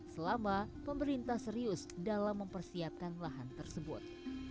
selama pemerintah serius dalam mempersiapkan lahan tersebut